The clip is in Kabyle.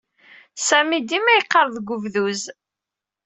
Sami dima yeqqar deg ubduz.